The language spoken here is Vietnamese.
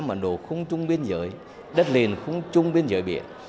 ấn độ không chung biên giới đất liền không chung biên giới biển